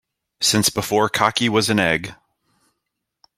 Since before cocky was an egg.